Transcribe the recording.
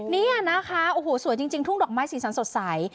นี่นะคะโอ้โหสวยจริงทุ่งดอกไม้สีสันสดใส